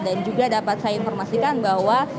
dan juga dapat saya informasikan bahwa